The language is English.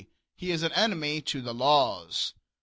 He is an enemy to the laws.